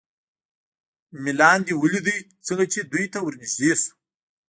مې لاندې ولید، څنګه چې دوی ته ور نږدې شو.